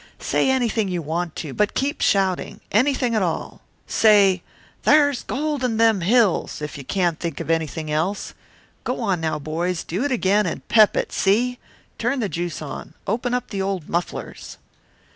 Say anything you want to, but keep shouting anything at all. Say 'Thar's gold in them hills!' if you can't think of anything else. Go on, now, boys, do it again and pep it, see. Turn the juice on, open up the old mufflers."